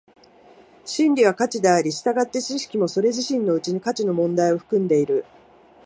真理は価値であり、従って知識もそれ自身のうちに価値の問題を含んでいる。